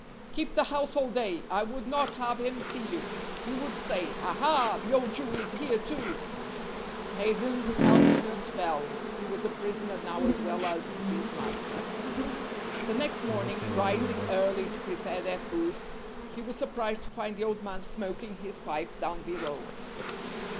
"Keep the house all day. I would not have him see you. He would say, 'Aha! the old Jew is here, too.'" Nathan's countenance fell. He was a prisoner now as well as his master. The next morning, rising early to prepare their food, he was surprised to find the old man smoking his pipe down below.